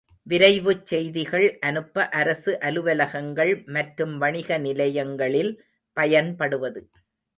விரைவுச் செய்திகள் அனுப்ப அரசு அலுவலகங்கள் மற்றும் வணிக நிலையங்களில் பயன்படுவது.